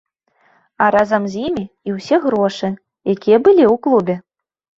А разам з ім і ўсе грошы, якія былі ў клубе.